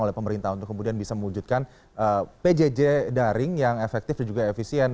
oleh pemerintah untuk kemudian bisa mewujudkan pjj daring yang efektif dan juga efisien